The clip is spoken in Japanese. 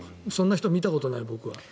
そんな人、僕は見たことない。